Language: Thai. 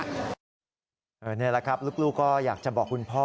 นี่แหละครับลูกก็อยากจะบอกคุณพ่อ